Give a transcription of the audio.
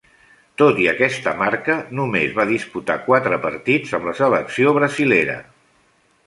Tot i aquesta marca, només va disputar quatre partits amb la selecció brasilera.